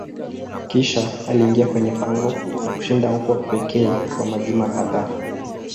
Kisha aliingia kwenye pango na kushinda huko pekee kwa majuma kadhaa.